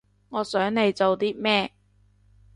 我想你做啲咩